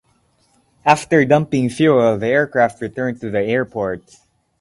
After dumping fuel, the aircraft returned to the airport.